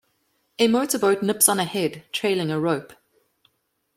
A motor-boat nips on ahead, trailing a rope.